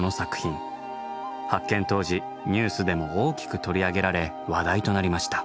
発見当時ニュースでも大きく取り上げられ話題となりました。